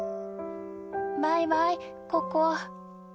バイバイココ。